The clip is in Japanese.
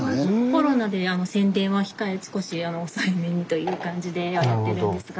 コロナで宣伝は少し抑えめにという感じでやってるんですが。